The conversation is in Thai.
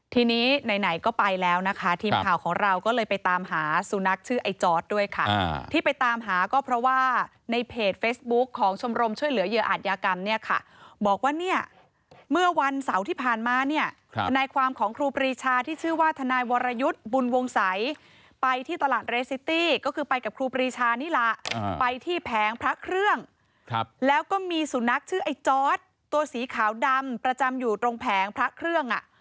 ทีนี้ไหนก็ไปแล้วนะคะทีมข่าวของเราก็เลยไปตามหาสู่นักชื่อไอ้จอร์สด้วยค่ะที่ไปตามหาก็เพราะว่าในเพจเฟสบุ๊คของชมรมช่วยเหลือเหยื่ออาจยากรรมเนี่ยค่ะบอกว่าเนี่ยเมื่อวันเสาร์ที่ผ่านมาเนี่ยในความของครูปรีชาที่ชื่อว่าทนายวรยุทธ์บุญวงสัยไปที่ตลาดเรซซิตี้ก็คือไปกับครูปรีชานิละไปที่แผงพระเค